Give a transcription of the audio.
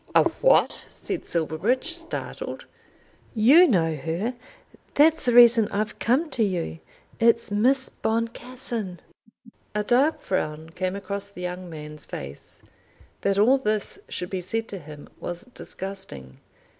"A what!" said Silverbridge, startled. "You know her. That's the reason I've come to you. It's Miss Boncassen." A dark frown came across the young man's face. That all this should be said to him was disgusting.